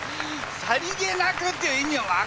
さりげなくっていう意味を分かってんのかね